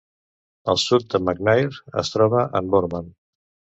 Al sud de McNair es troba en Borman.